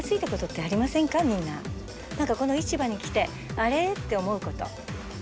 何かこの市場に来てあれ？って思うこと。